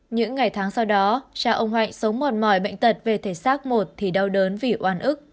những ngày tháng sau đó cha ông hạnh sống mòn mỏi bệnh tật về thể xác một thì đau đớn vì oan ức